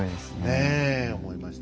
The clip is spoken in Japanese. ねえ思いました。